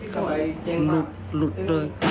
ก็หลุดหลุดเลย